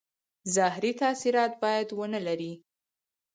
زهري تاثیرات باید ونه لري.